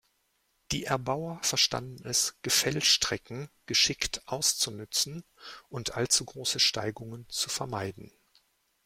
Die Erbauer verstanden es, Gefällstrecken geschickt auszunützen und allzu große Steigungen zu vermeiden.